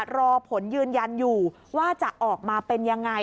รอผลยืนยันอยู่ว่าจะออกมาเป็นยังไง